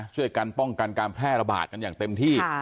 ช่วยกันป้องกันการแพร่ระบาดกันอย่างเต็มที่